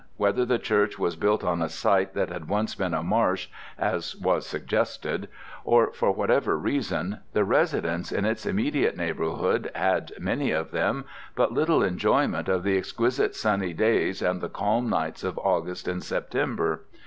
Whether the church was built on a site that had once been a marsh, as was suggested, or for whatever reason, the residents in its immediate neighbourhood had, many of them, but little enjoyment of the exquisite sunny days and the calm nights of August and September.